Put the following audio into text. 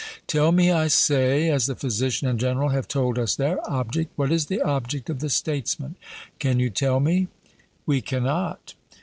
Tell me, I say, as the physician and general have told us their object, what is the object of the statesman. Can you tell me? 'We cannot.'